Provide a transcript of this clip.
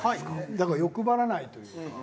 だから欲張らないというか。